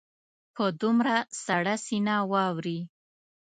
په دومره سړه سینه واوري.